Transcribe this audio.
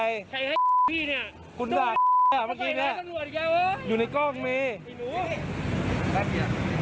ใครให้เนี้ยคุณด่าเนี้ยเมื่อกี้เนี้ยอยู่ในกล้องมีไอ้หนู